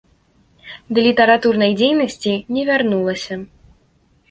Да літаратурнай дзейнасці не вярнулася.